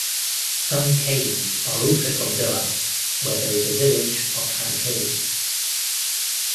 Some Kaileys are also from Doab where there is a village of Ada-Kailey.